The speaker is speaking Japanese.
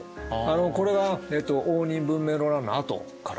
これは応仁・文明の乱のあとから。